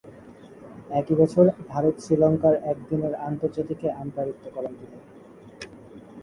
একই বছর ভারত-শ্রীলঙ্কার একদিনের আন্তর্জাতিকে আম্পায়ারিত্ব করেন তিনি।